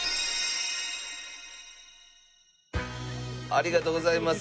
ありがとうございます。